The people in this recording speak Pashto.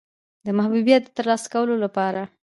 د محبوبیت د ترلاسه کولو لپاره.